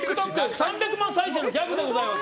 ３００万再生のギャグでございます。